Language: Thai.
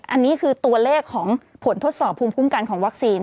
อันนี้คือตัวเลขของผลทดสอบภูมิคุ้มกันของวัคซีน